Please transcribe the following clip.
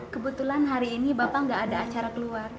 kebetulan hari ini bapak nggak ada acara keluar